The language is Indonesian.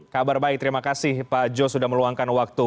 kabar baik terima kasih pak jos sudah meluangkan waktu